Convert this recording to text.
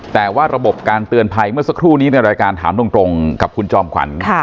แต่ว่าระบบการเตือนภัยเมื่อสักครู่นี้ในรายการถามตรงกับคุณจอมขวัญ